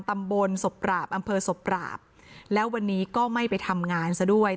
ตำบลศพปราบอำเภอศพปราบแล้ววันนี้ก็ไม่ไปทำงานซะด้วย